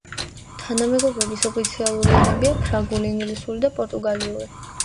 თანამეგობრობის ოფიციალური ენებია ფრანგული, ინგლისური და პორტუგალიური.